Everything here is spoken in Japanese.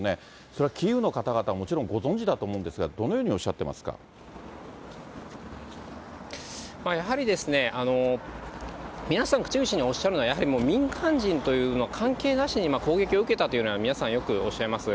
それは、キーウの方々はもちろんご存じだと思うんですが、どのよやはり、皆さん口々におっしゃるのは、やはりもう民間人というのは関係なしに攻撃を受けたというのは、皆さん、よくおっしゃいます。